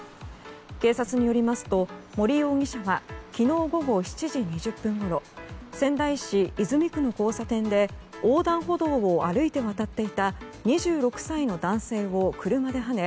警察によりますと森容疑者は昨日午後７時２０分ごろ仙台市泉区の交差点で横断歩道を歩いて渡っていた２６歳の男性を車ではね